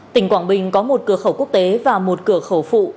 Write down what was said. tỉnh quảng bình có một cửa khẩu quốc tế và một cửa khẩu phụ